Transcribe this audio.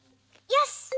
よし！